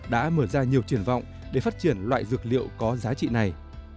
đã mở ra nhiều triển vọng để phát triển loại dược liệu có giá trị này